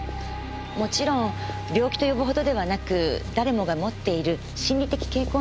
もちろん病気と呼ぶほどではなく誰もが持っている心理的傾向のようなものです。